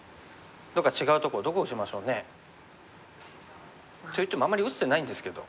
どっか違うとこどこにしましょうね。といってもあんまり打つ手ないんですけど。